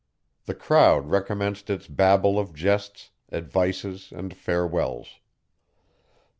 The crowd recommenced its babel of jests, advices, and farewells.